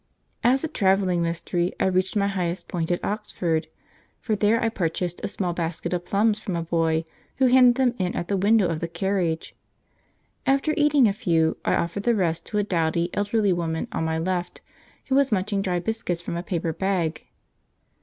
As a travelling mystery I reached my highest point at Oxford, for there I purchased a small basket of plums from a boy who handed them in at the window of the carriage. After eating a few, I offered the rest to a dowdy elderly woman on my left who was munching dry biscuits from a paper bag.